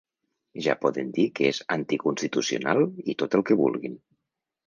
Ja poden dir que és anticonstitucional i tot el que vulguin.